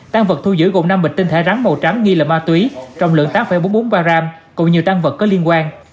tăng vật thu giữ gồm năm bịch tinh thể rắn màu trắng nghi là ma túy trọng lượng tám bốn mươi bốn ba gram cùng nhiều tăng vật có liên quan